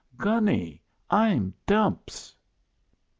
Gunny, I'm Dumps!"